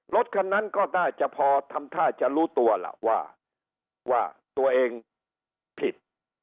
รถคันนั้นก็น่าจะพอทำท่าจะรู้ตัวล่ะว่าว่าตัวเองผิด